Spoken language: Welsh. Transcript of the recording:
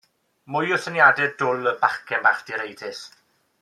Mwy o syniadau dwl y bachgen bach direidus.